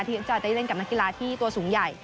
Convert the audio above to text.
ที่จะได้เล่นกับนักกีฬาที่ตัวสูงใหญ่